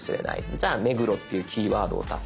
じゃあ「目黒」っていうキーワードを足そう。